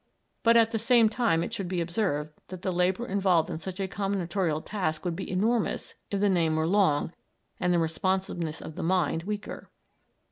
But at the same time it should be observed that the labor involved in such a combinatorial task would be enormous if the name were long and the responsiveness of the mind weaker.